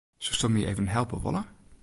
Soest my even helpe wolle?